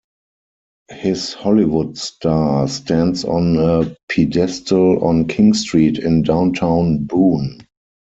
His "Hollywood Star" stands on a pedestal on King Street in downtown Boone.